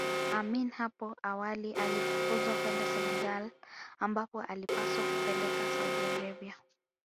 Amin hapo awali alifukuzwa kwenda Senegal ambapo alipaswa kupelekwa Saudi Arabia